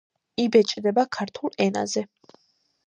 იბეჭდება ქართულ ენაზე.